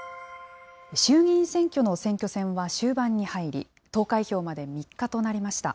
衆議院選挙の選挙戦は終盤に入り、投開票まで３日となりました。